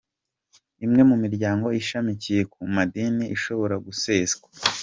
Imwe mu miryango ishamikiye ku madini ishobora guseswa